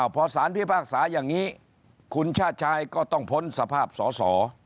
พอสารพิพากษาอย่างนี้คุณชาติชายก็ต้องพ้นสภาพสอสอ